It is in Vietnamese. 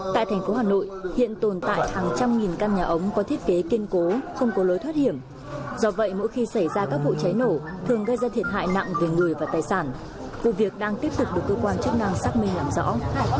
tại thành phố hà nội hiện tồn tại hàng trăm nghìn căn nhà ống có thiết kế kiên cố không có lối thoát hiểm do vậy mỗi khi xảy ra các vụ cháy nổ thường gây ra thiệt hại nặng về người và tài sản vụ việc đang tiếp tục được cơ quan chức năng xác minh làm rõ